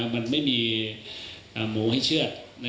มันไม่มีหมูให้เชื่อด